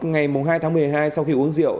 ngày hai tháng một mươi hai sau khi uống rượu